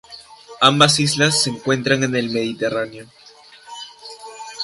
Ambas islas se encuentran en medio del Mediterráneo.